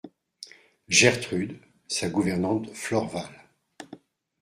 Gertrude, sa gouvernante Florval.